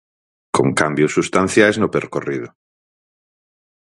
Con cambios substanciais no percorrido.